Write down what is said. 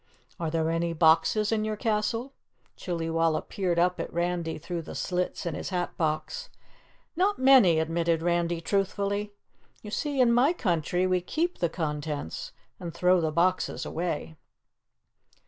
"Are there any boxes in your castle?" Chillywalla peered up at Randy through the slits in his hat box. "Not many," admitted Randy truthfully. "You see, in my country we keep the contents and throw the boxes away."